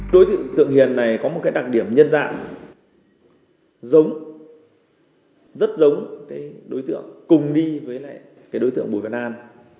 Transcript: đối tượng hiền này có một đặc điểm nhân dạng giống rất giống đối tượng cùng đi với đối tượng bùi văn an